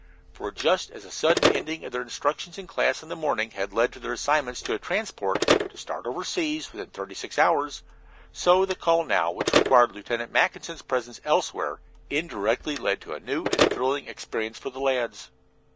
For, just as the sudden ending of their instructions in class in the morning had led to their assignment to a transport, to start overseas within thirty six hours, so the call now which required Lieutenant Mackinson's presence elsewhere, indirectly led to a new and thrilling experience for the lads.